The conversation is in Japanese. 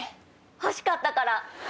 欲しかったから。